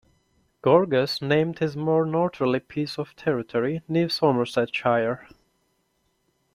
Gorges named his more northerly piece of territory New Somersetshire.